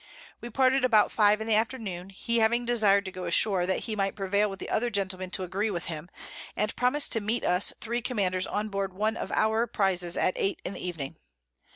We parted about Five in the Afternoon, he having desir'd to go ashore, that he might prevail with the other Gentlemen to agree with him, and promis'd to meet us three Commanders on board one of our Prizes at 8 in the Evening.